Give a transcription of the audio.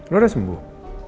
lo udah sembuh